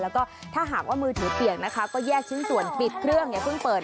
แล้วก็ถ้าหากว่ามือถือเปียกนะคะก็แยกชิ้นส่วนปิดเครื่องอย่าเพิ่งเปิด